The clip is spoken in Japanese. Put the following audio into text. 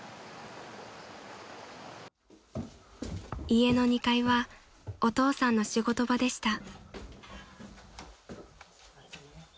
［家の２階はお父さんの仕事場でした］